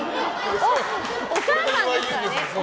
お母さんですからね。